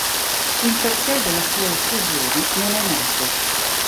Il perché della sua uccisione non è noto.